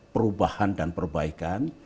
perubahan dan perbaikan